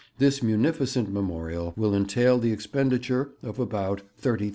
This munificent memorial will entail the expenditure of about £30,000.